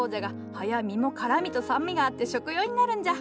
葉や実も辛みと酸味があって食用になるんじゃ。